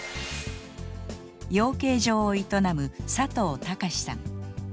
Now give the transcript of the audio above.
養鶏場を営む佐藤崇史さん。